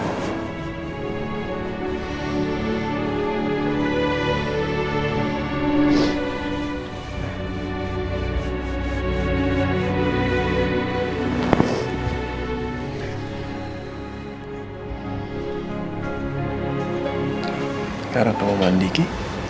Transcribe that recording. sekarang tolong mandi ki